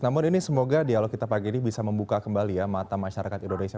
namun ini semoga dialog kita pagi ini bisa membuka kembali ya mata masyarakat indonesia